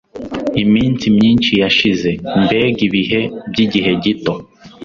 Iminsi myinshi yashize Mbega ibihe byigihe gito